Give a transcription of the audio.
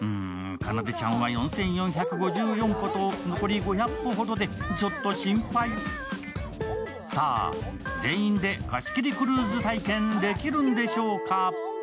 かなでちゃんは４４５４歩と残り５００歩ほどで、ちょっと心配さあ、全員で貸し切りクルーズ体験できるんでしょうか。